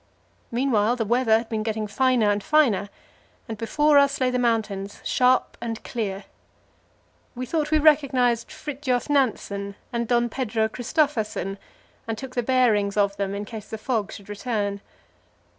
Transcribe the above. Meanwhile, the weather had been getting finer and finer, and before us lay the mountains, sharp and clear. We thought we recognized Fridtjof Nansen and Don Pedro Christophersen, and took good bearings of them in case the fog should return.